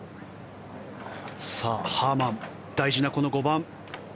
ハーマン、大事なこの５番。